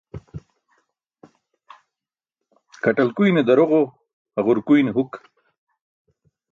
Kaṭlakuyne daroġo, haġurkuyne huk.